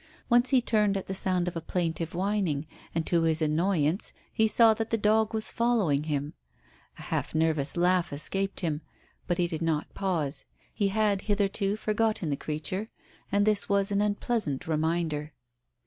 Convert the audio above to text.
Once he turned at the sound of a plaintive whining, and, to his annoyance, he saw that the dog was following him. A half nervous laugh escaped him, but he did not pause. He had hitherto forgotten the creature, and this was an unpleasant reminder.